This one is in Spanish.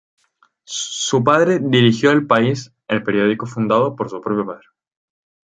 Su padre dirigió "El País", el periódico fundado por su propio padre.